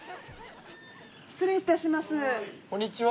失礼いたしますこんにちは。